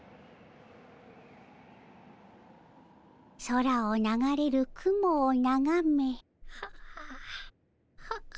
空を流れる雲をながめ。